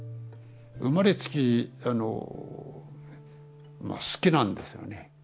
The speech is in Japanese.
生まれつきあのまあ好きなんですよね。